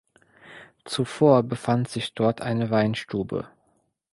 Zuvor befand sich dort eine Weinstube.